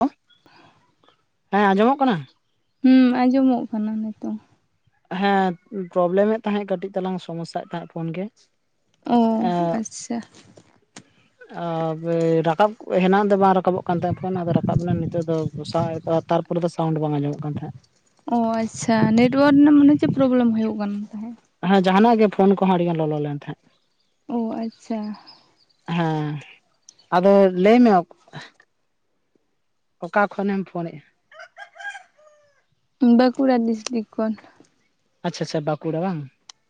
Hello ᱦᱮᱸ ᱟᱸᱡᱚᱢᱚᱜ ᱠᱟᱱᱟ? ᱦᱩᱸ ᱟᱸᱡᱚᱢᱚᱜ ᱠᱟᱱᱟ ᱱᱤᱛᱚᱜ᱾ ᱦᱮᱸ ᱯᱨᱚᱵᱞᱮᱢᱮᱫ ᱛᱟᱦᱮᱸᱫ ᱠᱟᱹᱴᱤᱡ ᱪᱟᱞᱟᱝ ᱥᱚᱢᱚᱥ ᱥᱟᱭᱮᱫ ᱛᱟᱦᱮᱸᱫ ᱯᱷᱳᱱ ᱜᱮ ᱾ ᱳ ᱟᱪᱪᱷᱟ᱾ ᱟ ᱵᱮᱭ ᱨᱟᱠᱟᱵ ᱦᱮᱱᱟᱝ ᱫᱚ ᱵᱟᱝ ᱨᱟᱠᱟᱵᱚᱜ ᱠᱟᱱ ᱛᱟᱷᱮᱸᱡ ᱟ ᱯᱷᱚᱱ ᱟᱫᱚ ᱨᱟᱠᱟᱵ ᱮᱱᱟ ᱱᱤᱛᱚᱜ ᱫᱚ ᱥᱟᱜ [unintelligible] ᱛᱟᱨ ᱯᱩᱨᱟᱹ ᱫᱚ ᱥᱟᱣᱩᱱᱰ ᱵᱟᱝ ᱟᱸᱡᱚᱢᱚᱜ ᱠᱟᱱ ᱛᱟᱦᱮᱸᱜ᱾ ᱚ ᱟᱪᱪᱷᱟ, ᱱᱮᱴᱣᱟᱨᱠ ᱨᱮᱱᱟᱜ ᱢᱚᱱᱮ ᱦᱚᱪᱷᱮ ᱯᱨᱚᱵᱽᱞᱚᱢ ᱦᱩᱭᱩᱜ ᱠᱟᱱ ᱛᱟᱦᱮᱸᱜ᱾ ᱦᱮᱸ ᱡᱟᱦᱱᱟᱜ ᱜᱮ, ᱯᱷᱳᱱ ᱠᱚᱼᱦᱚᱸ ᱟᱹᱰᱤ ᱜᱟᱱ ᱞᱚ-ᱞᱚ ᱞᱮᱱ ᱛᱟᱦᱮᱸᱜ᱾ ᱚ ᱟᱪᱪᱷᱟ᱾ ᱦᱮᱸ, ᱟᱫᱚ ᱞᱟᱹᱭ ᱢᱮ ᱚᱠ ᱚᱠᱟ ᱠᱷᱚᱱᱮᱢ ᱯᱷᱳᱱᱮᱜᱼᱟ? ᱵᱟᱹᱠᱩᱲᱟ ᱰᱤᱥᱴᱤᱠ ᱠᱷᱚᱱ᱾ ᱟᱪᱪᱷᱟ, ᱟᱪᱪᱷᱟ ᱵᱟᱠᱩᱲᱟ ᱵᱟᱝ?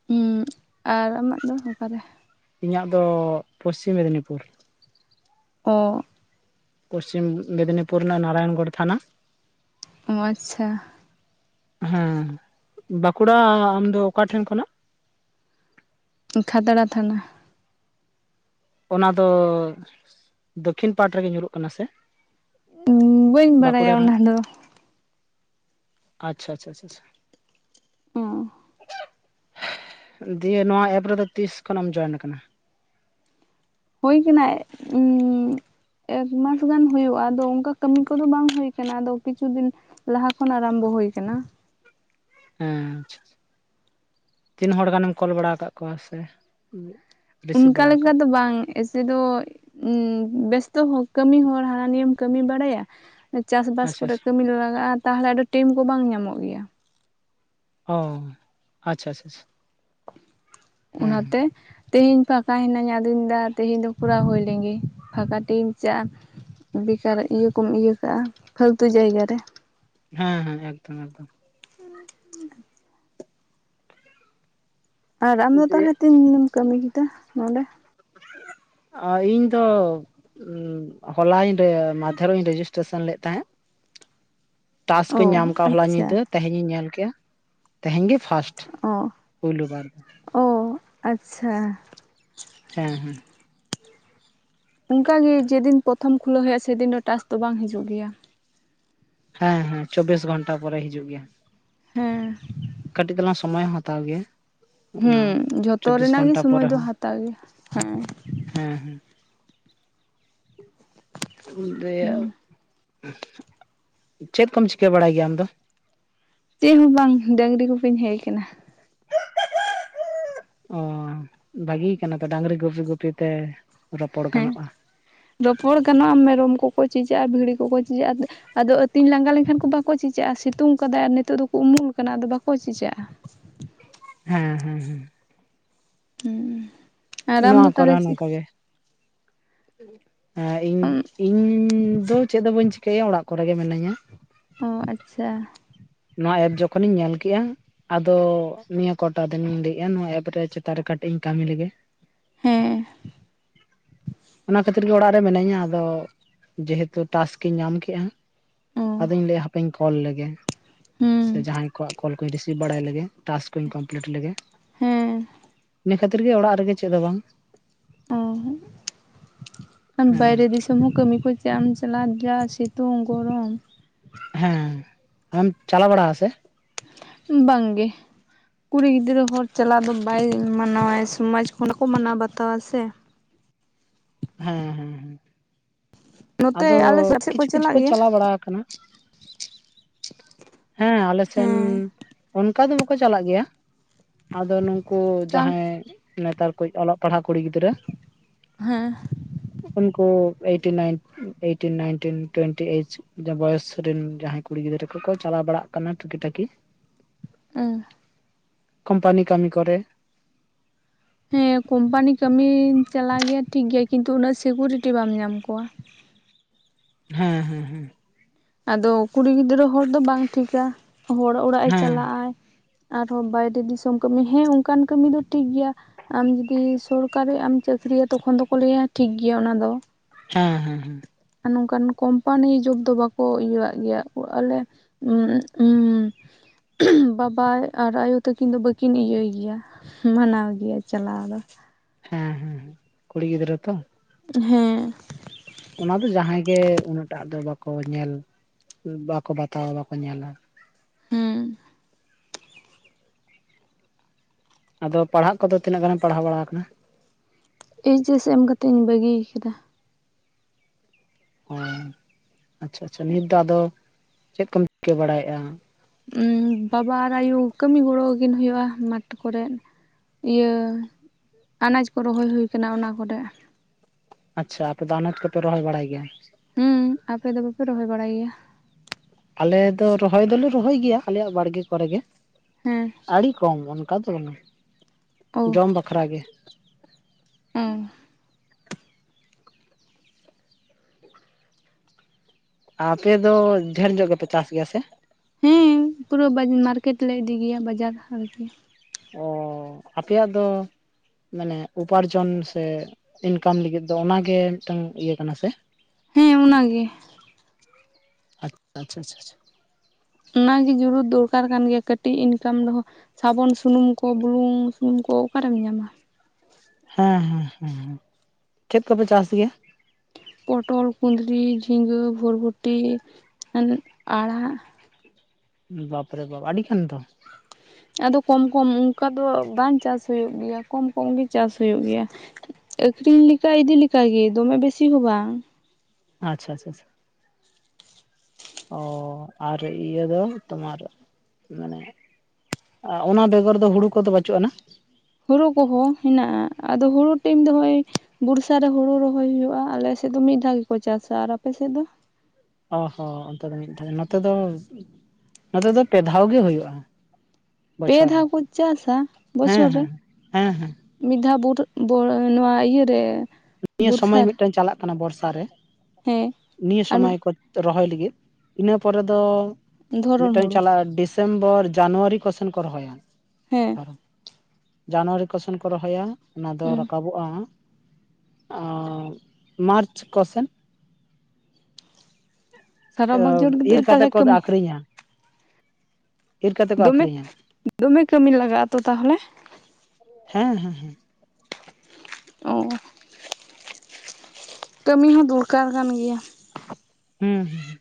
ᱦᱩᱸ ᱟᱨ ᱟᱢᱟᱜ ᱫᱚ ᱚᱠᱟᱨᱮ? ᱤᱧᱼᱟᱹᱜ ᱫᱚ, ᱯᱚᱥᱪᱤᱢ ᱢᱮᱫᱽᱱᱤᱯᱩᱨ᱾ ᱚᱻᱜ᱾ ᱯᱚᱥᱪᱤᱢ ᱢᱮᱫᱽᱱᱤᱯᱩᱨ ᱨᱮᱱᱟᱜᱼᱟ ᱱᱟᱨᱟᱭᱚᱱᱜᱚᱲ ᱛᱷᱟᱱᱟ᱾ ᱚᱻᱟᱪᱪᱷᱟ᱾ ᱦᱮᱸ, ᱵᱟᱸᱠᱩᱲᱟ ᱟᱢ ᱫᱚ ᱚᱠᱟ ᱴᱷᱮᱱ ᱠᱷᱚᱱᱟᱜ? ᱠᱷᱟᱫᱽᱲᱟ ᱛᱷᱟᱱᱟ᱾ ᱚᱱᱟ ᱫᱚ, ᱫᱚᱠᱷᱤᱱ ᱯᱟᱦᱴᱟ ᱨᱮᱜᱮ ᱧᱩᱨᱩ-ᱜ ᱠᱟᱱᱟ ᱥᱮ? ᱵᱟᱹᱧ ᱵᱟᱠᱩᱲᱟ ᱵᱟᱲᱟᱭᱟ ᱚᱱᱟ ᱨᱮᱱᱟᱜ᱾ ᱫᱚ ᱟᱪᱪᱷᱟ - ᱪᱷᱟ ᱪᱷᱟ ᱪᱷᱟ᱾ ᱚᱸ᱾ ᱫᱤᱭᱮ ᱱᱚᱣᱟ ᱮᱯ ᱨᱮᱫᱚ, ᱛᱤᱥ ᱠᱷᱚᱱᱮᱢ ᱡᱚᱭᱮᱱ ᱟᱠᱟᱱᱟ? ᱦᱩᱭ ᱠᱟᱱᱟ, ᱩᱸ ᱮᱠ ᱢᱟᱥ ᱜᱟᱱ ᱦᱩᱭᱩᱜᱼᱟ᱾ ᱟᱫᱚ ᱚᱝᱠᱟ ᱠᱟᱹᱢᱤ ᱠᱚ-ᱫᱚ ᱵᱟᱝ ᱦᱩᱭ ᱠᱟᱱᱟ᱾ ᱟᱫᱚ ᱠᱤᱪᱷᱩ ᱫᱤᱱ ᱞᱟᱦᱟ ᱠᱷᱚᱱ ᱟᱨᱟᱢᱵᱚ ᱦᱩᱭ ᱟᱠᱟᱱᱟ᱾ ᱦᱮᱸ ᱟᱪᱷᱟ᱾ ᱛᱤᱱ ᱦᱚᱲ ᱜᱟᱱᱮᱢ ᱠᱚᱞ ᱵᱟᱲᱟ ᱟᱠᱟᱫ ᱠᱚᱣᱟ ᱥᱮ? ᱨᱤᱥᱤᱵᱷ ᱚᱱᱠᱟ ᱵᱟᱲᱟ ᱞᱮᱠᱟ ᱟᱠᱟᱫ ᱫᱚ ᱵᱟᱝ, ᱮᱥᱮ ᱫᱚ ᱩᱸ ᱵᱮᱥᱛᱚᱦ ᱠᱟᱹᱢᱤ ᱦᱚᱲ ᱦᱟᱜ ᱱᱤᱭᱟᱹᱢ ᱠᱟᱹᱢᱤ ᱵᱟᱲᱟᱭ-ᱟ᱾ ᱪᱟᱥ ᱵᱟᱥ ᱟᱪᱪᱷᱟ ᱠᱚᱨᱮ ᱟᱪᱪᱷᱟ ᱠᱟᱹᱢ ᱞᱟᱜᱟᱜᱼᱟ᱾ ᱛᱟᱦᱚᱞᱮ ᱟᱹᱰᱤ ᱴᱮᱢ ᱠᱚ ᱵᱟᱝ ᱧᱟᱢᱚᱼᱜ ᱜᱮᱭᱟ᱾ ᱚ ᱟᱪᱷᱟ ᱪᱷᱟ ᱪᱷᱟ᱾ ᱚᱱᱟᱛᱮ ᱛᱮᱦᱤᱧ ᱯᱷᱟᱠᱟᱭᱼᱱᱟ ᱟᱫᱩᱧᱸ ᱟᱫᱚᱧ ᱢᱮᱱᱫᱟ᱾ ᱛᱮᱦᱤᱧ ᱫᱚ ᱯᱩᱨᱟᱣ ᱦᱩᱭ ᱞᱮᱱᱜᱮ ᱯᱷᱟᱠᱟ ᱴᱤ ᱤᱧ ᱪᱟᱜᱼᱟ᱾ ᱵᱮᱠᱟᱨ ᱤᱭᱟᱹ ᱠᱚᱢ ᱤᱭᱟᱹ ᱠᱟᱜᱼᱟ᱾ ᱯᱟᱹᱞᱛᱩ ᱡᱟᱭᱜᱟ ᱨᱮ᱾ ᱦᱮᱸ ᱦᱮᱸ ᱮᱠᱫᱚᱢ ᱮᱠᱫᱚᱢ᱾ [inaudible] ᱟᱨ ᱟᱢᱫᱚ ᱫᱤᱭᱮ ᱛᱟᱦᱚᱞᱮ ᱛᱤᱱ ᱫᱤᱱᱮᱢ ᱠᱟᱹᱢᱤ ᱠᱮᱫᱟ ᱱᱚᱰᱮ? ᱚᱸ ᱤᱧ ᱫᱚ ᱩᱸ ᱦᱚᱞᱟᱧ ᱧᱤᱫᱟᱹ ᱢᱟᱫᱷᱮᱨᱤᱧ ᱨᱮᱡᱤᱥᱴᱨᱮᱥᱚᱱ ᱞᱮᱫ ᱛᱟᱦᱮᱸᱜ᱾ [inaudible] ᱴᱟᱥᱠ ᱠᱚᱧ ᱚ ᱧᱟᱢ ᱠᱟᱜ ᱦᱚᱞᱟ ᱟᱪᱪᱷᱟ ᱧᱤᱫᱟᱹ ᱛᱮᱦᱮᱧᱤᱧ ᱧᱮᱞ ᱠᱮᱼᱟ, ᱛᱮᱦᱮᱧ ᱜᱮ ᱯᱷᱟᱥᱴ᱾ ᱚ, ᱯᱳᱭᱞᱳ ᱵᱟᱨ ᱫᱚ ᱳ ᱟᱪᱪᱷᱟ᱾ ᱦᱮᱸ ᱦᱮᱸ᱾ ᱚᱱᱠᱟᱜᱮ ᱡᱮᱫᱤᱱ ᱯᱨᱚᱛᱷᱚᱢ ᱠᱷᱩᱞᱟᱹᱣ ᱦᱩᱭᱩᱜᱼᱟ᱾ ᱥᱮᱫᱤᱱ ᱫᱚ ᱴᱟᱥ ᱫᱚ ᱵᱟᱝ ᱦᱤᱡᱩᱜ ᱜᱮᱭᱟ᱾ ᱦᱮᱸ, ᱦᱮᱸ, ᱪᱚᱵᱽᱵᱤᱥ ᱜᱷᱚᱱᱴᱟ ᱯᱚᱨᱮ, ᱦᱤᱡᱩᱼᱜ ᱜᱮᱭᱟ᱾ ᱦᱮᱸ᱾ ᱠᱟᱹᱴᱤᱡ ᱛᱟᱞᱟᱝ ᱥᱚᱢᱚ-ᱭ ᱦᱚᱸ ᱦᱟᱛᱟᱣ ᱜᱮᱭᱟ᱾ ᱦᱩᱸ ᱚᱱᱟ ᱡᱷᱚᱛᱚ ᱪᱚᱵᱵᱤᱥ ᱨᱮᱱᱟ-ᱜ ᱜᱮ, ᱜᱷᱚᱱᱴᱟ ᱥᱚᱢᱚᱭ ᱯᱚᱨᱮ ᱫᱚ ᱦᱚᱸ ᱦᱟᱛᱟ-ᱜ ᱜᱮᱭᱟ᱾ ᱦᱮᱸ ᱦᱮᱸ ᱦᱮᱸ᱾ ᱫᱮᱭᱟ-ᱜ ᱦᱮᱸ ᱪᱮᱫ ᱠᱚᱢ ᱪᱤᱠᱟᱹ ᱵᱟᱲᱟᱭ ᱜᱮᱭᱟ ᱟᱢᱫᱚ? ᱪᱮᱜ ᱦᱚᱸ ᱵᱟᱝ ᱰᱟᱹᱝᱨᱤ ᱜᱩᱯᱤᱧ ᱦᱮᱡ ᱟᱠᱟᱱᱟ᱾ ᱚᱸ ᱵᱷᱟᱜᱤ ᱠᱟᱱᱟ ᱛᱚ ᱰᱟᱹᱝᱨᱤ ᱜᱩᱯᱤ ᱜᱩᱯᱤ ᱛᱮ ᱨᱚᱯᱚᱲ ᱦᱮᱸ ᱜᱟᱱᱚᱜ-ᱟ᱾ ᱨᱚᱯᱚᱲ ᱜᱟᱱᱚᱜ-ᱟ ᱢᱮᱨᱚᱢ ᱠᱚ ᱠᱚ ᱪᱤᱪᱟᱜ-ᱟ, ᱵᱷᱤᱲᱤ ᱠᱚ ᱠᱚ ᱪᱤᱪᱟᱜ-ᱟ᱾ ᱟᱫᱚ ᱟᱹᱛᱤᱧ ᱞᱟᱸᱜᱟ ᱞᱮᱱᱠᱷᱟᱱ ᱠᱚ ᱵᱟᱠᱚ ᱪᱮᱪᱟᱜ-ᱟ, ᱥᱤᱛᱩᱝ ᱠᱟᱫᱟᱭ ᱟᱨ ᱱᱤᱛᱚᱜ ᱫᱚ ᱠᱚ ᱩᱢᱩᱞ ᱠᱟᱱᱟ, ᱟᱫᱚ ᱵᱟᱠᱚ ᱪᱮᱪᱟᱜ-ᱟ ᱾ ᱦᱮᱸ ᱦᱮᱸ ᱦᱮᱸ ᱦᱩᱸ ᱱᱚᱣᱟ ᱠᱚᱨᱮ ᱦᱚᱸ ᱱᱚᱝᱠᱟ ᱜᱮ᱾ ᱦᱮᱸ ᱤᱧ ᱤᱧ ᱫᱚ ᱪᱮᱫ ᱫᱚ ᱵᱟᱹᱧ ᱪᱤᱠᱟᱭᱟ ᱚᱲᱟᱜ ᱠᱚᱨᱮ ᱜᱮ ᱢᱤᱱᱟᱹᱧᱟ᱾ ᱚᱸ ᱟᱪᱪᱷᱟ᱾ ᱱᱚᱣᱟ ᱮᱯ ᱡᱚᱠᱷᱚᱱᱤᱧ ᱧᱮᱞ ᱠᱮᱜᱼᱟ, ᱟᱫᱚ ᱱᱤᱭᱟᱹ ᱠᱚᱴᱟ ᱫᱤᱱᱤᱧ ᱞᱟᱹᱭᱮᱜ-ᱟ ᱱᱚᱣᱟ ᱮᱯ ᱨᱮ ᱪᱮᱛᱟᱱ ᱨᱮ ᱠᱟᱹᱴᱤᱡ ᱤᱧ ᱠᱟᱹᱢᱤ ᱞᱮᱜᱮ᱾ ᱦᱮᱸ ᱚᱱᱟ ᱠᱷᱟᱹᱛᱤᱨ ᱜᱮ ᱚᱲᱟᱜ ᱨᱮ ᱢᱤᱱᱟᱹᱧᱟ ᱟᱫᱚ, ᱡᱮᱦᱮᱛᱩ ᱴᱟᱥᱠ ᱤᱧ ᱧᱟᱢ ᱠᱮᱜ-ᱟ᱾ ᱚ ᱟᱫᱚᱧ ᱞᱟᱹᱭᱟ ᱦᱟᱯᱮᱧ ᱠᱚᱞ ᱞᱮᱜᱮ ᱥᱮ ᱦᱮᱸ ᱡᱟᱸᱦᱟᱸᱭ ᱠᱚᱣᱟᱜ ᱠᱚᱞ ᱠᱚᱧ ᱨᱤᱥᱤᱵᱷ ᱵᱟᱲᱟᱭ ᱞᱮᱜᱮ ᱴᱟᱥᱠ ᱠᱚᱧ ᱠᱚᱢᱯᱞᱤᱴ ᱞᱮᱜᱮ᱾ ᱦᱮᱸ ᱤᱱᱟᱹ ᱠᱷᱟᱹᱛᱤᱨ ᱜᱮ ᱚᱲᱟᱜ ᱨᱮᱜᱮ ᱪᱮᱫ ᱫᱚ ᱵᱟᱝ᱾ ᱚᱸ ᱦᱮᱸ ᱵᱟᱭᱨᱮ ᱫᱤᱥ ᱱᱤᱛᱚᱢ ᱦᱚᱸ ᱠᱟᱹᱢᱤ ᱠᱚ ᱪᱟᱜ ᱮᱢ ᱪᱟᱞᱟᱜ-ᱟ ᱡᱟ ᱥᱤᱛᱩᱝ ᱜᱚᱨᱚᱢ᱾ ᱦᱮᱸ ᱟᱢᱮᱢ ᱪᱟᱞᱟᱣ ᱵᱟᱲᱟ ᱟᱥᱮ? ᱵᱟᱝ ᱜᱮ᱾ ᱠᱩᱲᱤ ᱜᱤᱫᱽᱨᱟᱹ ᱦᱚᱲ ᱪᱟᱞᱟᱜ ᱫᱚ ᱵᱟᱭ ᱢᱟᱱᱟᱣᱟᱭ ᱥᱚᱢᱟᱡᱽ ᱠᱷᱚᱱ ᱠᱚ ᱢᱟᱱᱟᱣ ᱵᱟᱛᱟᱣᱟ ᱥᱮ᱾ ᱦᱮᱸ ᱦᱮᱸ ᱱᱚᱛᱮ ᱟᱫᱚ ᱟᱞᱮ ᱥᱮᱫ ᱥᱮᱫ ᱠᱤᱪᱷᱩ ᱠᱤᱪᱷᱩ ᱪᱟᱞᱟᱜ ᱠᱚ ᱜᱮᱭᱟ ᱪᱟᱞᱟᱣ ᱵᱟᱲᱟ ᱟᱠᱟᱱᱟ ᱾ ᱦᱮᱸ ᱟᱞᱮ ᱥᱮᱱ, ᱦᱮᱸ ᱚᱱᱠᱟ ᱫᱚ ᱵᱟᱠᱚ ᱪᱟᱞᱟᱜ ᱜᱮᱭᱟ᱾ ᱟᱫᱚ ᱱᱩᱠᱩ ᱛᱟᱨ ᱡᱟᱸᱦᱟᱸᱭ ᱱᱮᱛᱟᱨ ᱠᱚ ᱚᱞᱚᱜ ᱯᱟᱲᱦᱟᱜ ᱠᱩᱲᱤ ᱜᱤᱫᱽᱨᱟᱹ ᱦᱮᱸ [unintelligible] eight nine eighteen, nineteen, twenty each boys ᱨᱮᱱ ᱡᱟᱸᱦᱟᱸᱭ ᱠᱩᱲᱤ ᱜᱤᱫᱽᱨᱟᱹ ᱠᱚᱠᱚ ᱪᱟᱞᱟᱣ ᱵᱟᱲᱟᱜ ᱠᱟᱱᱟ ᱴᱩᱠᱤ ᱴᱟᱠᱤ᱾ ᱟᱸ ᱠᱚᱳᱢᱯᱟᱱᱤ ᱠᱟᱹᱢᱤ ᱠᱚ ᱨᱮ᱾ ᱦᱮᱸ ᱠᱚᱢᱯᱟᱱᱤ ᱠᱟᱹᱢᱤ ᱪᱟᱞᱟᱜ ᱜᱮᱭᱟ ᱴᱷᱤᱠ ᱜᱮᱭᱟ, ᱠᱤᱱᱛᱩ ᱩᱱᱟᱹᱜ ᱥᱤᱠᱩᱨᱤᱴᱤ ᱵᱟᱢ ᱧᱟᱢ ᱠᱚᱣᱟ᱾ ᱦᱮᱸ ᱦᱮᱸ ᱦᱮᱸ ᱟᱫᱚ ᱠᱩᱲᱤ ᱜᱤᱫᱽᱨᱟᱹ ᱦᱚᱲ ᱫᱚ ᱵᱟᱝ ᱴᱷᱤᱠᱟ, ᱦᱚᱲ ᱚᱲᱟᱜ ᱮ ᱦᱮᱸ ᱪᱟᱞᱟᱜ- ᱟᱭ᱾ ᱟᱨᱦᱚᱸ ᱵᱟᱭᱨᱮ ᱫᱤᱥᱚᱢ ᱠᱟᱹᱢᱤ ᱦᱮᱸ ᱚᱱᱠᱟᱱ ᱠᱟᱹᱢᱤ ᱫᱚ ᱴᱷᱤᱠ ᱜᱮᱭᱟ᱾ ᱟᱢ ᱡᱚᱫᱤ ᱥᱚᱨᱠᱟᱨᱤ ᱮᱢ ᱪᱟᱹᱠᱨᱤᱭᱟ ᱛᱚᱠᱷᱚᱱ ᱫᱚ ᱠᱚ ᱞᱟᱹᱭᱟ ᱴᱷᱤᱠ ᱜᱮᱭᱟ ᱚᱱᱟ ᱫᱚ ᱾ ᱦᱮᱸ ᱦᱮᱸ ᱦᱮᱸ ᱟᱨ ᱱᱚᱝᱠᱟᱱ ᱠᱚᱢᱯᱟᱱᱤ ᱡᱚᱵ ᱫᱚ ᱵᱟᱠᱚ ᱤᱭᱟᱹᱣᱟᱜ ᱜᱮᱭᱟ, ᱟᱞᱮ ᱩᱜ ᱩᱢ ᱵᱟᱵᱟᱭ ᱟᱨ ᱟᱭᱳ ᱛᱟᱹᱠᱤᱱ ᱫᱚ ᱵᱟᱹᱠᱤᱱ ᱤᱭᱟᱹᱭ ᱜᱮᱭᱟ᱾ ᱢᱟᱱᱟᱣ ᱜᱮᱭᱟ ᱪᱟᱞᱟᱣ ᱫᱚ᱾ ᱦᱮᱸ ᱦᱮᱸ ᱠᱩᱲᱤ ᱜᱤᱫᱽᱨᱟᱹ ᱛᱚ᱾ ᱦᱮᱸ ᱚᱱᱟ ᱫᱚ ᱡᱟᱦᱟᱸᱭ ᱜᱮ ᱩᱱᱟᱹᱜᱴᱟᱜ ᱫᱚ ᱵᱟᱠᱚ ᱧᱮᱞ ᱵᱟᱠᱚ ᱵᱟᱛᱟᱣᱟ ᱵᱟᱠᱚ ᱧᱮᱞᱟ᱾ ᱦᱮᱸ ᱟᱫᱚ ᱯᱟᱲᱦᱟᱜ ᱠᱚᱫᱚ ᱛᱤᱱᱟᱹᱜ ᱜᱟᱱ ᱮᱢ ᱯᱟᱲᱦᱟᱣ ᱵᱟᱲᱟ ᱣᱟᱠᱟᱱᱟ? ᱮᱪ ᱮᱥ ᱮᱢ ᱠᱟᱛᱮᱧ ᱵᱟᱹᱜᱤ ᱠᱮᱫᱟ᱾ ᱚ ᱟᱪᱪᱷᱟ ᱟᱪᱪᱷᱟ, ᱱᱤᱛ ᱫᱚ ᱟᱫᱚ ᱪᱮᱫ ᱠᱚᱢ ᱠᱟᱹ ᱵᱟᱲᱟᱭᱮᱜ-ᱟ? ᱩᱸ ᱵᱟᱵᱟ ᱟᱨ ᱟᱹᱭᱩ ᱠᱟᱹᱢᱤ ᱜᱚᱲᱚ ᱣᱟᱹᱠᱤᱱ ᱦᱩᱭᱩᱜ-ᱟ ᱢᱟᱴᱷ ᱠᱚᱨᱮᱫ᱿ ᱤᱭᱟᱹ ᱟᱱᱟᱡ ᱠᱚ ᱨᱚᱦᱚᱭ ᱦᱩᱭ ᱠᱟᱱᱟ ᱚᱱᱟ ᱠᱚᱨᱮ᱾ ᱟᱪᱪᱷᱟ ᱟᱯᱮ ᱫᱚ ᱟᱱᱟᱡᱽ ᱠᱚᱯᱮ ᱨᱚᱦᱚᱭ ᱵᱟᱲᱟᱭ ᱜᱮᱭᱟ? ᱦᱩᱸ ᱟᱯᱮ ᱫᱚ ᱵᱟᱯᱮ ᱨᱚᱦᱚᱭ ᱵᱟᱲᱟᱭ ᱜᱮᱭᱟ? ᱟᱞᱮ ᱫᱚ ᱨᱚᱦᱚᱭ ᱫᱚᱞᱮ ᱨᱚᱦᱚᱭ ᱜᱮᱭᱟ ᱟᱞᱮᱭᱟᱜ ᱵᱟᱲᱜᱮ ᱠᱚᱨᱮ ᱜᱮ᱾ ᱦᱩᱸ, ᱟᱹᱲᱤ ᱠᱚᱢ ᱚᱱᱠᱟ ᱫᱚ ᱵᱟᱝᱼᱟ, ᱚ ᱡᱚᱢ ᱵᱟᱠᱷᱨᱟ ᱜᱮ᱾ ᱩᱸ, ᱟᱯᱮ ᱫᱚ ᱰᱷᱮᱨ ᱧᱚᱜ ᱜᱮᱯᱮ ᱪᱟᱥ ᱜᱮᱭᱟ ᱥᱮ? ᱦᱮᱸ, ᱯᱩᱨᱟᱹ ᱵᱟᱡᱽ ᱢᱟᱨᱠᱮᱴ ᱞᱮ ᱤᱫᱤ ᱜᱮᱭᱟ ᱵᱟᱡᱟᱨ ᱦᱟᱱᱛᱮ, ᱚᱻ ᱟᱯᱮᱭᱟᱜ ᱫᱚ ᱢᱟᱱᱮ ᱩᱯᱟᱹᱨᱡᱚᱱ ᱥᱮ ᱤᱱᱠᱟᱢ ᱞᱟᱹᱜᱤᱫ ᱫᱚ ᱚᱱᱟᱜᱮ ᱢᱤᱫᱴᱟᱝ ᱤᱭᱟᱹ ᱠᱟᱱᱟ ᱥᱮ? ᱦᱮᱸ ᱚᱱᱟ ᱜᱮ᱾ ᱟᱪ ᱟᱪᱪᱷᱟ ᱟᱪᱪᱷᱟ, ᱟᱪᱪᱷᱟ᱾ ᱚᱱᱟᱜᱮ ᱡᱳᱨᱩᱨᱚᱛ ᱫᱚᱨᱠᱟᱨ ᱠᱟᱱ ᱜᱮᱭᱟ ᱠᱟᱹᱴᱤᱡ ᱤᱱᱠᱟᱢ ᱫᱚᱦᱚ᱾ ᱥᱟᱵᱚᱱ ᱥᱩᱱᱩᱢ ᱠᱚ, ᱵᱩᱞᱩᱝ ᱥᱩᱱᱩᱢ ᱠᱚ ᱚᱠᱟᱨᱮᱢ ᱧᱟᱢᱼᱟ? ᱦᱮᱸ ᱦᱮᱸ ᱦᱮᱸᱦᱮᱸ, ᱪᱮᱫ ᱠᱚᱯᱮ ᱪᱟᱥ ᱜᱮᱭᱟ? ᱯᱚᱴᱚᱞ, ᱠᱩᱸᱫᱽᱨᱤ, ᱡᱷᱤᱸᱜᱟᱹ, ᱵᱷᱚᱨᱵᱷᱚᱴᱤ, ᱟᱱ ᱟᱲᱟᱜ᱾ ᱵᱟᱯ ᱨᱮ ᱵᱟᱵ, ᱟᱹᱰᱤ ᱠᱷᱟᱱ ᱫᱚ? ᱟᱫᱚ ᱠᱚᱢ ᱠᱚᱢ ᱚᱸᱠᱟ ᱫᱚ ᱣᱟᱜ ᱵᱟᱝ ᱪᱟᱥ ᱦᱩᱭᱩᱜ ᱜᱮᱭᱟ, ᱠᱚᱢ ᱠᱚᱢ ᱜᱮ ᱪᱟᱥ ᱦᱩᱭᱩᱜ ᱜᱮᱭᱟ᱾ ᱟᱹᱠᱷᱨᱤᱧ ᱞᱮᱠᱟ, ᱤᱫᱤ ᱞᱮᱠᱟ ᱜᱮ ᱫᱚᱢᱮ ᱵᱮᱥᱤ ᱦᱚ ᱵᱟᱝ? ᱟᱪᱪᱷᱟ ᱟᱪᱪᱷᱟ, ᱪᱷᱟ᱾ ᱚ ᱟᱨ ᱤᱭᱟᱹ ᱫᱚ ᱛᱳᱢᱟᱨ ᱢᱟᱱᱮ ᱟ ᱚᱱᱟ ᱵᱮᱜᱚᱨ ᱫᱚ ᱦᱩᱲᱩ ᱠᱚᱫᱚ ᱵᱟᱹᱪᱩᱜ ᱟᱱᱟ? ᱦᱩᱲᱩ ᱠᱚᱦᱚᱸ ᱦᱮᱱᱟᱜᱼᱟᱸ ᱟᱫᱚ ᱦᱩᱲᱩ ᱴᱟᱹᱭᱤᱢ ᱫᱚ ᱦᱚᱸᱜᱼᱚᱭ ᱵᱚᱲᱥᱟ ᱨᱮ ᱦᱩᱲᱩ ᱨᱚᱦᱚᱭ ᱦᱩᱭᱩᱜᱼᱟ ᱟᱞᱮ ᱥᱮᱫ ᱫᱚ ᱢᱮᱫ ᱫᱷᱟᱣ ᱜᱮ, ᱠᱚ ᱪᱟᱥᱼᱟ ᱟᱨ ᱟᱯᱮᱥᱮᱫ ᱫᱚ? ᱚᱦᱚ ᱚᱱᱛᱮ ᱫᱚ ᱢᱤᱫ ᱫᱷᱟᱣ ᱜᱮ, ᱱᱚᱛᱮ ᱫᱚ, ᱱᱚᱛᱮ ᱫᱚ ᱯᱮ ᱫᱷᱟᱣ ᱜᱮ ᱦᱩᱭᱩᱜᱼᱟ᱾ ᱯᱮ ᱵᱚᱪᱷᱚᱨ ᱨᱮ ᱫᱷᱟᱣ ᱠᱚ ᱪᱟᱥᱼᱟ, ᱦᱮᱸ ᱵᱚᱪᱷᱚᱨ ᱨᱮ? ᱦᱮᱸ ᱦᱮᱸ ᱦᱮᱸ ᱢᱤᱫ ᱫᱷᱟᱣ ᱵᱩᱨ ᱵᱚᱲ ᱱᱚᱣᱟ ᱤᱭᱟᱹᱨᱮ, ᱱᱤᱭᱟᱹ ᱥᱚᱢᱚᱭ ᱵᱚᱨᱥᱟᱨ ᱢᱤᱫᱴᱟᱹᱝ ᱪᱟᱞᱟᱜ ᱠᱟᱱᱟ ᱵᱚᱨᱥᱟ ᱨᱮ ᱦᱮᱸ ᱱᱤᱭᱟᱹ ᱟᱨ ᱥᱚᱢᱚᱭ ᱢᱤᱫ ᱠᱚ ᱨᱚᱦᱚᱭ ᱞᱟᱹᱜᱤᱫ, ᱤᱱᱟᱹ ᱯᱚᱨᱮ ᱫᱚ ᱫᱷᱚᱨᱚᱱ ᱢᱤᱫᱴᱟᱹᱝ ᱦᱩᱲᱩ ᱪᱟᱞᱟᱜᱼᱟ ᱰᱤᱥ- ᱥᱮᱢᱵᱚᱨ ᱡᱟᱱᱣᱟᱹᱨᱤ ᱠᱚᱥᱮᱱ ᱠᱚ ᱨᱚᱦᱚᱭᱟ᱾ ᱦᱮᱸ᱾ ᱡᱟᱱᱣᱟᱹᱨᱤ ᱠᱚᱥᱚᱱ ᱠᱚ ᱨᱚᱦᱚᱭᱟ ᱚᱱᱟ ᱫᱚ ᱦᱩᱸ ᱨᱟᱠᱟᱵᱚᱜᱼᱟ ᱦᱟᱸᱜ᱾ ᱟᱸᱻ ᱢᱟᱨᱪ ᱠᱚᱥᱮᱫ᱾ ᱥᱟᱨᱟ ᱵᱳᱠ ᱪᱚᱨ ᱤᱨ ᱜᱮᱛᱚᱜ ᱠᱟᱛᱮ ᱛᱟᱦᱮᱞᱮ ᱠᱚ ᱠᱟᱹᱢᱤᱭᱟ᱾ ᱟᱠᱷᱨᱤᱧᱟ ᱤᱨ ᱠᱟᱛᱮ ᱠᱚ ᱫᱚᱢᱮᱼᱦ ᱟᱠᱷᱨᱤᱧᱟ ᱫᱚᱢᱮ ᱠᱟᱹᱢᱤ ᱞᱟᱜᱟᱜ ᱟᱛᱚ ᱛᱟᱦᱚᱞᱮ? ᱦᱮᱸ ᱦᱩᱸ ᱦᱩᱸ᱾ ᱚᱻ, ᱠᱟᱹᱢᱤ ᱦᱚᱸ ᱫᱚᱨᱠᱟᱨ ᱠᱟᱱ ᱜᱮᱭᱟ᱾ ᱦᱩᱸᱻᱦ᱾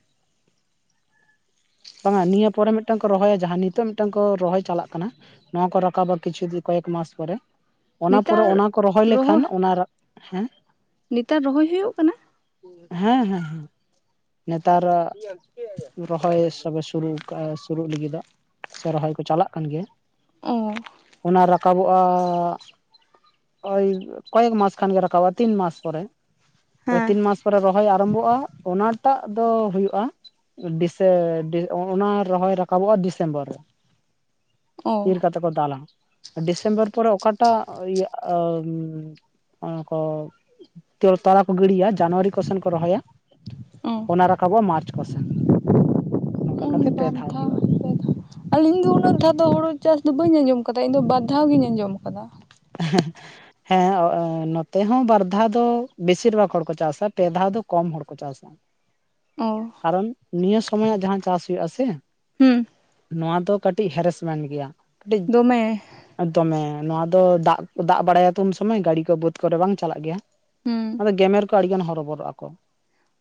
ᱵᱟᱝᱼᱟ ᱱᱤᱭᱟᱹ ᱯᱚᱨᱮ ᱢᱤᱫᱴᱟᱝ ᱠᱚ ᱨᱚᱦᱚᱭᱟ ᱡᱟᱦᱟᱸ ᱱᱤᱛᱚᱜ ᱢᱤᱫᱴᱟᱝ ᱠᱚ ᱨᱚᱦᱚᱭ ᱪᱟᱞᱟᱜ ᱠᱟᱱᱟ, ᱱᱚᱣᱟ ᱠᱚ ᱨᱟᱠᱟᱵᱽᱼᱟ ᱠᱤᱪᱷᱩ ᱫᱤ ᱠᱚ ᱮᱠ ᱢᱟᱥ ᱯᱚᱨᱮ᱾ ᱚᱱᱟ ᱯᱚᱨᱮ ᱱᱮᱛᱟᱨ ᱚᱱᱟ ᱠᱚ ᱨᱚᱦᱚᱭ ᱞᱮᱠᱷᱟᱱ ᱚᱱᱟ ᱨᱮ ᱦᱮᱸ ᱱᱮᱛᱟᱨ ᱨᱚᱦᱚᱭ ᱦᱩᱭᱩᱜ ᱠᱟᱱᱟ ᱦᱮᱸ ᱦᱮᱸ ᱱᱮᱛᱟᱨ ᱨᱚᱦᱚᱭ ᱥ ᱛᱚᱵᱮ ᱥᱩᱨᱩ ᱠᱟᱜ- ᱟ ᱥᱩᱨᱩᱜ ᱞᱟᱹᱜᱤ ᱫᱚᱜ ᱥᱮ ᱨᱚᱦᱚᱭ ᱠᱚ ᱪᱟᱞᱟᱜ ᱠᱟᱱ ᱜᱮᱭᱟ, ᱚ ᱚᱱᱟ ᱨᱟ ᱨᱟᱠᱟᱵᱚᱜᱼᱟ ᱳᱭ ᱠᱚᱭᱮᱠ ᱢᱟᱥ ᱠᱷᱟᱱ ᱜᱮ ᱨᱟᱠᱟᱵᱚᱜᱼᱟ ᱛᱤᱱ ᱢᱟᱥ ᱯᱚᱨᱮ ᱾ ᱳᱭ ᱦᱮᱸ ᱛᱤᱱ ᱢᱟᱥ ᱯᱚᱨᱮ ᱨᱚᱦᱚᱭ ᱟᱨᱟᱢᱵᱷᱚᱜᱼᱟ, ᱚᱱᱟ ᱴᱟᱜ ᱫᱚ ᱦᱳᱭᱳᱜ-ᱟ ᱾ᱰᱤᱥᱮ ᱚᱱᱟ ᱨᱚᱦᱚᱭ ᱨᱟᱠᱟᱵᱚᱜᱼᱟ, ᱰᱤᱥᱮᱢᱵᱚᱨ ᱨᱮ ᱚ ᱤᱨ ᱠᱟᱛᱮ ᱛᱮᱠᱚ ᱫᱟᱞᱟ ᱰᱤᱥᱮᱢᱵᱚᱨ ᱯᱚᱨᱮ ᱚᱠᱟᱴᱟᱜ ᱤᱭᱟᱹ ᱟ ᱚᱱᱟ ᱠᱚ ᱛᱟᱞᱟ ᱠᱚ ᱜᱤᱲᱤᱭᱟ ᱡᱟᱱᱩᱣᱟᱨᱤ ᱠᱚᱥᱮᱱ ᱠᱚ ᱨᱚᱦᱚᱭᱟ ᱾ ᱚ ᱚᱱᱟ ᱨᱟᱠᱟᱵᱚᱜᱼᱟ ᱢᱟᱨᱪ ᱠᱚᱥᱮᱱ ᱱᱚᱝᱠᱟ ᱠᱟᱛᱮᱜ ᱯᱟᱱᱛᱷᱟ [unintelligible] ᱟᱞᱤᱧ ᱫᱚ ᱩᱱᱟᱹᱜ ᱫᱷᱟᱣ ᱫᱚ ᱦᱳᱲᱩ ᱪᱟᱥ ᱫᱚ ᱵᱟᱹᱧ ᱟᱸᱡᱚᱢ ᱠᱟᱫᱟ ᱤᱧ ᱫᱚ ᱵᱟᱨ ᱫᱷᱟᱣ ᱜᱤᱧ ᱟᱸᱡᱚᱢ ᱠᱟᱫᱟ᱾ ᱦᱮᱸ ᱦᱮᱸ ᱱᱚᱛᱮ ᱦᱚᱸ ᱵᱟᱨ ᱫᱷᱟᱣ ᱫᱚ ᱵᱮᱥᱤᱨ ᱵᱷᱟᱜᱽ ᱦᱚᱲ ᱠᱚ ᱪᱟᱥᱟ ᱯᱮ ᱫᱷᱟᱣ ᱫᱚ ᱠᱚᱢ ᱦᱚᱲ ᱠᱚ ᱪᱟᱥᱟ᱾ ᱚ [inaudible] ᱠᱟᱨᱚᱱ ᱱᱤᱭᱟᱹ ᱥᱚᱢᱚᱭᱟ ᱡᱟᱦᱟᱸ ᱪᱟᱥ ᱦᱩᱭᱩᱜᱼᱟ, ᱥᱮ ᱦᱩᱸ ᱱᱚᱣᱟ ᱫᱚ ᱠᱟᱹᱴᱤᱡ ᱦᱮᱨᱮᱥᱢᱮᱱ ᱜᱮᱭᱟ ᱠᱟᱹᱴᱤᱡ ᱫᱚᱢᱮ ᱫᱚᱢᱮ ᱱᱚᱣᱟ ᱫᱚ ᱫᱟᱜ ᱫᱟᱜ ᱵᱟᱲᱟᱭᱟᱛᱚ ᱩᱱ ᱥᱚᱢᱚᱭ ᱜᱟᱹᱲᱤ ᱠᱚ ᱵᱟᱹᱫ ᱠᱚᱨᱮ ᱵᱟᱝ ᱪᱟᱞᱟᱜ ᱜᱮᱭᱟ ᱦᱩᱸ ᱟᱫᱚ ᱜᱮᱢᱮᱨ ᱠᱚ ᱟᱹᱰᱤᱜᱟᱱ ᱦᱚᱨᱚ ᱵᱚᱨᱚᱜ ᱟᱠᱚ ᱾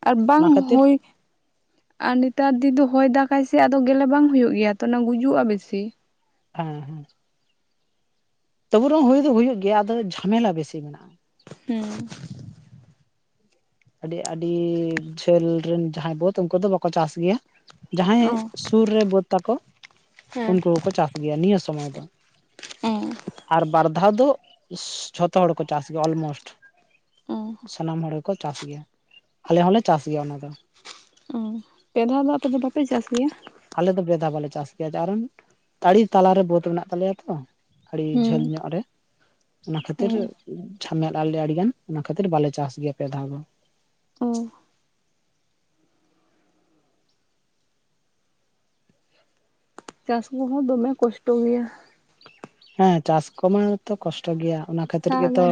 ᱟᱨ ᱵᱟᱝ ᱦᱳᱭ ᱟᱨ ᱱᱤᱛᱟᱨ ᱫᱤᱱ ᱫᱚ ᱦᱚᱭ ᱫᱟᱜᱟᱭ ᱥᱮ ᱟᱫᱚ ᱜᱮᱞᱮ ᱵᱟᱝ ᱦᱩᱭᱩᱜ ᱜᱮᱭᱟ ᱛᱚ ᱚᱱᱟ ᱜᱩᱡᱩᱜᱼᱟ ᱵᱮᱥᱤ᱾ ᱦᱮᱸ ᱛᱚᱵᱩ ᱨᱮᱸᱦᱚ ᱦᱩᱭ ᱫᱚ ᱦᱩᱭᱩᱜ ᱜᱮᱭᱟ ᱟᱫᱚ ᱡᱷᱟᱢᱮᱞᱟ ᱵᱮᱥᱤ ᱢᱮᱱᱟᱜᱼᱟ ᱾ ᱦᱩᱸ ᱾ ᱟᱹᱰᱤ ᱟᱹᱰᱤ ᱡᱷᱟᱹᱞ ᱨᱮᱱ ᱡᱟᱦᱟᱸᱭ ᱵᱟᱹᱫ ᱩᱱᱠᱩ ᱫᱚ ᱵᱟᱠᱚ ᱪᱟᱥ ᱜᱮᱭᱟ ᱾ ᱡᱟᱦᱟᱸᱭ ᱚ ᱥᱩᱨ ᱨᱮ ᱵᱟᱹᱫᱽ ᱛᱟᱠᱚ ᱦᱮᱸ ᱩᱱᱠᱩ ᱠᱚᱠᱚ ᱪᱟᱥ ᱜᱮᱭᱟ ᱱᱤᱭᱟᱹ ᱥᱚᱢᱚᱭ ᱫᱚ ᱾ ᱟᱨ ᱵᱟᱨ ᱫᱷᱟᱣ ᱫᱚ ᱡᱷᱚᱛᱚ ᱦᱚᱲ ᱠᱚ ᱪᱟᱥ ᱜᱮᱭᱟ ᱚᱞᱢᱳᱥᱴ ᱚ ᱾ ᱥᱟᱱᱟᱢ ᱦᱚᱲ ᱜᱮᱠᱚ ᱪᱟᱥ ᱜᱮᱭᱟ ᱟᱞᱮ ᱦᱚᱸᱞᱮ ᱪᱟᱥ ᱜᱮᱭᱟ ᱚᱱᱟ ᱫᱚ᱾ ᱚᱸ ᱯᱮ ᱫᱷᱟᱣ ᱫᱚ ᱟᱯᱮ ᱫᱚ ᱵᱟᱯᱮ ᱪᱟᱥ ᱜᱮᱭᱟ? ᱟᱞᱮ ᱫᱚ ᱯᱮᱫᱷᱟ ᱵᱟᱞᱮ ᱪᱟᱥ ᱜᱮᱭᱟ ᱠᱟᱨᱚᱱ ᱛᱟᱸᱲᱤ ᱛᱟᱞᱟᱨᱮ ᱵᱟᱹᱫᱽ ᱢᱮᱱᱟᱜ ᱛᱟᱞᱮᱭᱟ ᱛᱚ, ᱟᱹᱲᱤ ᱡᱷᱟᱹᱞ ᱦᱩᱸ ᱧᱚᱜ ᱨᱮ ᱚᱱᱟ ᱠᱷᱟᱹᱛᱤᱨ ᱦᱮᱸ [unintelligible] ᱟᱹᱰᱤ ᱜᱟᱱ ᱚᱱᱟ ᱠᱷᱟᱹᱛᱤᱨ ᱵᱟᱞᱮ ᱪᱟᱥ ᱜᱮᱭᱟ ᱯᱮ ᱫᱷᱟᱣ ᱫᱚ᱾ ᱚ ᱪᱟᱥ ᱠᱚᱦᱚᱸ ᱫᱚᱢᱮ ᱠᱚᱥᱴᱚ ᱜᱮᱭᱟ᱾ ᱦᱮᱸ ᱪᱟᱥ ᱠᱚᱢᱟᱛᱚ ᱠᱚᱥᱴᱚ ᱜᱮᱭᱟ ᱚᱱᱟ ᱠᱷᱟᱹᱛᱤᱨ ᱥᱟᱨᱟ ᱜᱮᱛᱚ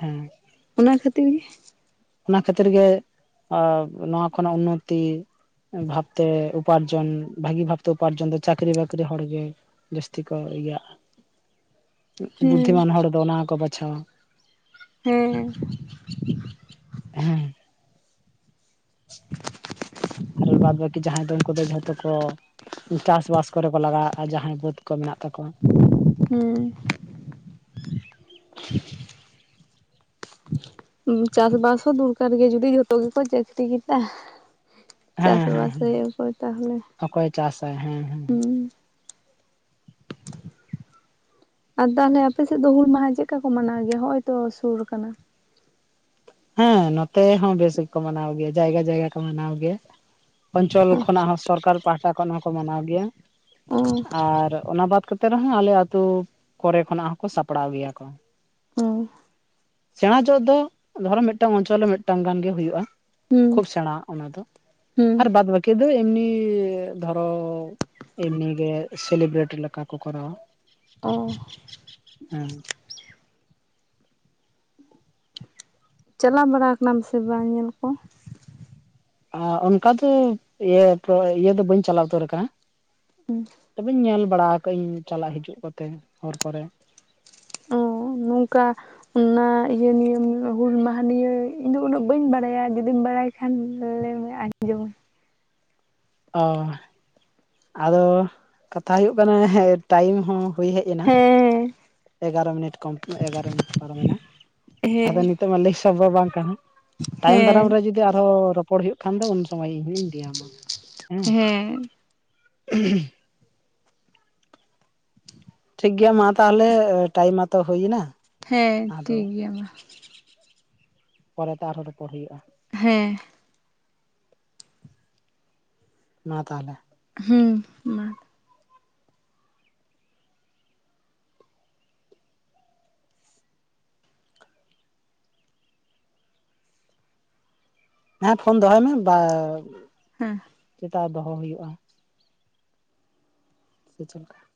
ᱦᱮᱸ ᱾ ᱚᱱᱟ ᱠᱷᱟᱹᱛᱤᱨ ᱜᱤ ᱚᱱᱟ ᱠᱷᱟᱹᱛᱤᱨ ᱜᱮ ᱚᱸ ᱱᱚᱣᱟ ᱠᱷᱚᱱᱟᱜ ᱩᱱᱱᱚᱛᱤ ᱵᱷᱟᱵᱽ ᱛᱮ ᱩᱯᱟᱨᱡᱚᱱ ᱵᱷᱟᱜᱤ ᱵᱷᱟᱵᱽᱛᱮ ᱩᱯᱟᱨᱡᱚᱱ ᱫᱚ ᱪᱟᱠᱷᱨᱤ ᱵᱟᱠᱷᱨᱤ ᱦᱚᱲ ᱜᱮ ᱡᱟᱹᱥᱛᱤ ᱠᱚ ᱤᱭᱟᱹᱟᱜᱼᱟ ᱦᱩᱸ ᱵᱩᱫᱽᱫᱷᱤᱢᱟᱱ ᱦᱚᱲ ᱫᱚ ᱚᱱᱟ ᱦᱚᱸᱠᱚ ᱵᱟᱪᱷᱟᱣᱟ᱾ ᱦᱮᱸ᱾ ᱦᱮᱸ ᱾ [unintelligible] ᱟᱨ ᱵᱟᱫᱽ ᱵᱟᱠᱤ ᱡᱟᱦᱟᱸᱭ ᱫᱚ ᱩᱱᱠᱩ ᱫᱚ ᱡᱷᱚᱛᱚ ᱠᱚ ᱪᱟᱥ ᱵᱟᱥ ᱠᱚᱨᱮ ᱠᱚ ᱞᱟᱜᱟᱣᱟᱜᱼᱟ ᱟᱼᱡᱟᱦᱟᱸᱭ ᱵᱟᱹᱫ ᱠᱚ ᱢᱮᱱᱟᱜ ᱛᱟᱠᱚᱣᱟ᱾ ᱦᱩᱸ ᱾ ᱪᱟᱥᱼᱵᱟᱥ ᱦᱚᱸ ᱫᱩᱨᱠᱟᱨ ᱜᱮ ᱡᱩᱫᱤ ᱡᱷᱚᱛᱚ ᱜᱮᱠᱚ ᱪᱟᱹᱠᱷᱨᱤ ᱠᱮᱫᱟ ᱾ ᱪᱟᱥ ᱦᱮᱸ ᱦᱮᱸ ᱵᱟᱥ ᱦᱮᱸ ᱦᱳᱭᱳᱜ ᱟ ᱚᱠᱚᱭ ᱛᱟᱦᱚᱞᱮ ᱚᱠᱚᱭ ᱪᱟᱥᱟᱭ ᱦᱮᱸ ᱦᱮᱸ ᱦᱩᱸᱼᱼ [inaudible] ᱟᱨ ᱫᱟ ᱚᱱᱮ ᱟᱯᱮ ᱥᱮᱫ ᱫᱚ ᱦᱩᱞ ᱢᱟᱦᱟ ᱪᱮᱜᱠᱟ ᱠᱚ ᱢᱟᱱᱟᱣ ᱜᱮᱭᱟ ᱦᱚᱸᱜ ᱚᱭ ᱛᱚ ᱥᱩᱨ ᱠᱟᱱᱟ? ᱦᱮᱸ ᱱᱚᱛᱮ ᱦᱚᱸ ᱵᱮᱥ ᱜᱮ ᱠᱚ ᱢᱟᱱᱟᱣ ᱜᱮᱭᱟ ᱡᱟᱭᱜᱟ ᱡᱟᱭᱜᱟ ᱠᱚ ᱢᱟᱱᱟᱣ ᱜᱮᱭᱟ ᱚᱧᱪᱚᱞ ᱚ ᱠᱷᱚᱱᱟᱜ ᱦᱚᱸ, ᱥᱚᱨᱠᱟᱨ ᱯᱟᱦᱴᱟ ᱠᱷᱚᱱ ᱦᱚᱸᱠᱚ ᱢᱟᱱᱟᱣ ᱜᱮᱭᱟ ᱚ ᱟᱨ ᱚᱱᱟ ᱵᱟᱫ ᱠᱟᱛᱮᱼᱼ ᱛᱮ ᱨᱮᱦᱚᱸ ᱟᱞᱮ ᱟᱛᱳ ᱠᱚᱨᱮ ᱠᱷᱚᱱᱟᱜ ᱦᱚᱸᱠᱚ ᱥᱟᱯᱲᱟᱣ ᱜᱮᱭᱟ ᱠᱚ᱾ ᱦᱩᱸ ᱥᱮᱬᱟ ᱪᱚᱜ ᱫᱚ ᱫᱷᱚᱨᱚ ᱢᱮᱫᱴᱟᱝ ᱚᱧᱪᱚᱞ ᱨᱮ ᱢᱮᱫᱴᱟᱝ ᱜᱟᱱᱜᱮ ᱦᱳᱭᱳᱜᱼᱟ ᱦᱩᱸ ᱠᱷᱩᱵ ᱥᱮᱸᱬᱟ ᱚᱱᱟ ᱫᱚ ᱦᱩᱸ ᱟᱨ ᱵᱟᱫ ᱵᱟᱹᱠᱤ ᱫᱚ ᱮᱢᱱᱤ ᱫᱷᱚᱨᱚᱼᱼ ᱮᱢᱱᱤ ᱜᱮ ᱥᱮᱞᱤᱵᱨᱮᱴ ᱞᱮᱠᱟ ᱠᱚ ᱠᱚᱨᱟᱣᱟ᱾ ᱚᱸ ᱦᱮᱸ ᱪᱟᱞᱟᱣ ᱵᱟᱲᱟ ᱠᱟᱱᱟᱢ ᱥᱮ ᱵᱟᱝ ᱧᱮᱞ ᱠᱚᱼᱼ ᱟᱸ ᱚᱱᱠᱟ ᱫᱚ ᱤᱭᱟᱹ ᱫᱚ ᱤᱭᱟᱹ ᱫᱚ ᱵᱟᱹᱧ ᱪᱟᱞᱟᱣ ᱩᱛᱟᱹᱨ ᱠᱟᱱᱟ᱾ ᱦᱩᱸ ᱛᱚᱵᱮᱧ ᱧᱮᱞ ᱵᱟᱲᱟ ᱠᱟᱜ ᱟᱹᱧ ᱪᱟᱞᱟᱜ ᱦᱤᱡᱩᱜ ᱠᱚᱛᱮ ᱦᱚᱨ ᱠᱚᱨᱮ᱾ ᱚ ᱱᱚᱝᱠᱟ ᱚᱱᱟ ᱤᱭᱟᱹ ᱱᱤᱭᱟᱹ ᱦᱩᱞ ᱢᱟᱦᱟ ᱱᱤᱭᱟᱹ ᱤᱧ ᱫᱚ ᱩᱱᱟᱹᱜ ᱵᱟᱹᱧ ᱵᱟᱲᱟᱭᱟ ᱡᱩᱫᱤᱢ ᱵᱟᱲᱟᱭᱼᱼ ᱠᱷᱟᱱ ᱞᱟᱹᱭ ᱢᱮ ᱟᱸᱡᱚᱢᱟ ᱚᱻ ᱟᱫᱚ ᱠᱟᱛᱷᱟ ᱦᱩᱭᱩᱜ ᱠᱟᱱᱟ ᱦᱮ ᱴᱟᱭᱤᱢ ᱦᱚᱸ ᱦᱩᱭ ᱦᱮᱡ ᱮᱱᱟ ᱦᱮᱸ ᱮᱜᱟᱨᱳ ᱢᱤᱱᱤᱴ ᱠᱚᱢ ᱮᱜᱟᱨᱳ ᱢᱤᱱᱤᱴ ᱯᱟᱨᱚᱢ ᱮᱱᱟ ᱦᱮᱸ ᱟᱫᱚ ᱱᱤᱛᱚᱜ ᱢᱟ ᱞᱟᱹᱭ ᱥᱚᱢᱵᱷᱚᱵ ᱵᱟᱝ ᱠᱟᱱᱟ ᱛᱟᱭᱚᱢ ᱦᱮᱸ ᱫᱟᱨᱟᱢ ᱨᱮ ᱡᱩᱫᱤᱼᱼ ᱡᱩᱫᱤ ᱟᱨᱦᱚᱸ ᱨᱚᱯᱚᱲ ᱦᱩᱭᱩᱜ ᱠᱷᱟᱱ ᱫᱚ ᱩᱱ ᱥᱚᱢᱚᱭ ᱤᱧ ᱞᱟ. ᱭ ᱟᱢᱟ ᱦᱮᱸ [inaudible] ᱴᱷᱤᱠ ᱜᱮᱭᱟ ᱢᱟ ᱛᱟᱦᱚᱞᱮ ᱴᱟᱭᱤᱢ ᱢᱟᱛᱚ ᱦᱩᱭ ᱮᱱᱟ ᱦᱮᱸ ᱴᱷᱤᱠ ᱜᱮᱭᱟ ᱢᱟ ᱯᱚᱨᱮᱛᱮ ᱟᱨᱦᱚᱸ ᱨᱚᱯᱚᱲ ᱦᱩᱭᱩᱜᱼᱟ ᱦᱮᱸ ᱢᱟ ᱛᱟᱦᱚᱞᱮ ᱦᱩᱸ ᱢᱟᱼᱼ ᱦᱮᱸ ᱯᱷᱳᱱ ᱫᱚᱦᱚᱭ ᱢᱮ ᱵᱟᱼᱼ ᱦᱮᱸ ᱪᱮᱛᱟᱣ ᱫᱚᱦᱚ ᱦᱩᱭᱩᱜᱼᱟ ᱥᱮ ᱪᱮᱜᱼᱠᱟ